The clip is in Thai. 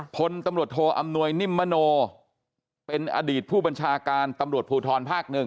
พลตำรวจโทอำนวยนิ่มมโนเป็นอดีตผู้บัญชาการตำรวจภูทรภาค๑